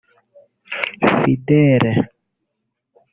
Fidele